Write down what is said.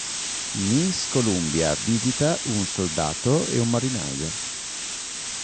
Miss Columbia visita un soldato e un marinaio.